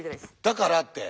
だからって。